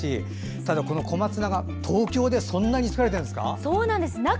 ただ小松菜が東京でそんなに作られてるんですか。